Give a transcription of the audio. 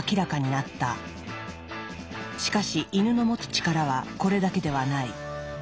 しかしイヌの持つ力はこれだけではない。